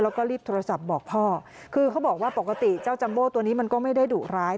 แล้วก็รีบโทรศัพท์บอกพ่อคือเขาบอกว่าปกติเจ้าจัมโบ้ตัวนี้มันก็ไม่ได้ดุร้าย